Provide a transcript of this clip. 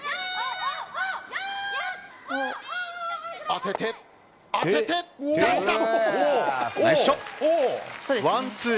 当てて、当てて、出した！